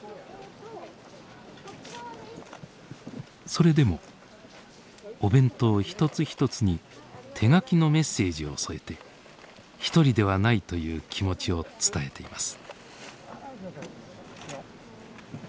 それでもお弁当一つ一つに手書きのメッセージを添えて「一人ではない」という気持ちを伝えています。